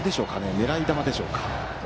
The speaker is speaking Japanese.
狙い球でしょうか。